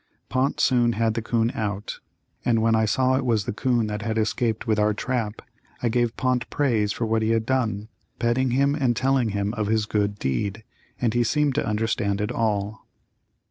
Pont soon had the 'coon out, and when I saw it was the 'coon that had escaped with our trap, I gave Pont praise for what he had done, petting him and telling him of his good deed, and he seemed to understand it all.